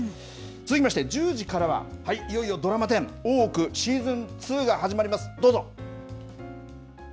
続きまして、１０時からは、いよいよドラマ１０大奥シーズン２が始まります。